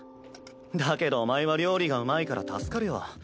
だけどお前は料理がうまいから助かるよ。